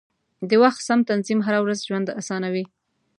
د وخت سم تنظیم هره ورځي ژوند اسانوي.